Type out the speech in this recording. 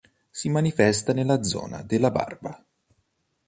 Si manifesta nella zona della barba.